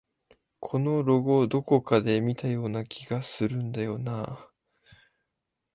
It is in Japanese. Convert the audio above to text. このロゴ、どこかで見たような気がするんだよなあ